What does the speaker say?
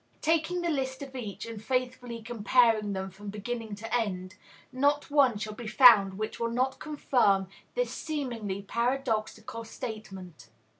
Taking the lists of each, and faithfully comparing them from beginning to end, not one shall be found which will not confirm this seemingly paradoxical statement.